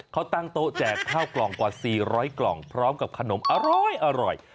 เขาตั้งโต๊ะแจกข้าวกล่องกว่า๔๐๐กล่องพร้อมกับขนมอร้อย